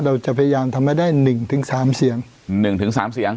เราจะพยายามทำให้ได้หนึ่งถึงสามเสียงหนึ่งถึงสามเสียง